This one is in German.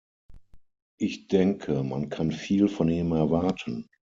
Ich denke, man kann viel von ihm erwarten.